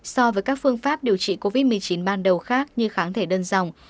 so với các phương pháp điều trị covid một mươi chín ban đầu khác như kháng thể đơn dòng